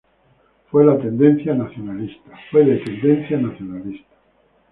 Fue de tendencia nacionalista.